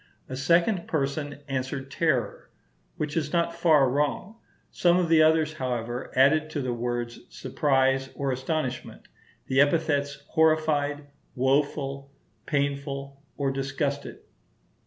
A second person answered terror, which is not far wrong; some of the others, however, added to the words surprise or astonishment, the epithets horrified, woful, painful, or disgusted.